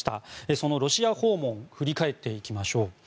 そのロシア訪問振り返っていきましょう。